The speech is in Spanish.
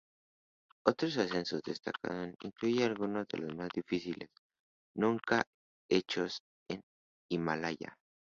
Otros ascensos destacados incluyen algunos de los más difíciles nunca hechos en el Himalaya.